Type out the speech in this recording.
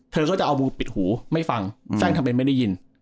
เธอก็จะเอามือปิดหูไม่ฟังแทร่งทำเป็นไม่ได้ยิน